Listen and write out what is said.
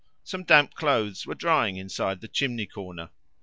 Some damp clothes were drying inside the chimney corner.